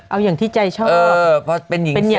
เอาอย่างที่ใจชอบเป็นอย่างนี้ก็เป็นอย่างนี้